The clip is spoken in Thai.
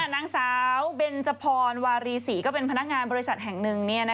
นางสาวเบนจพรวารีศรีก็เป็นพนักงานบริษัทแห่งหนึ่ง